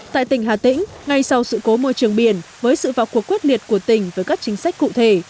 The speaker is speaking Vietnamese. tại tỉnh hà tĩnh ngay sau sự cố môi trường biển với sự vào cuộc quyết liệt của tỉnh với các chính sách cụ thể